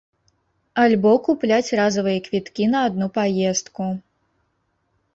Альбо купляць разавыя квіткі на адну паездку.